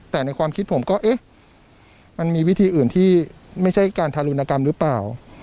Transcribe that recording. แต่ในความคิดผมก็เอ๊ะมันมีวิธีอื่นที่ไม่ใช่การทารุณกรรมหรือเปล่า